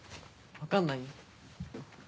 分かんないよ。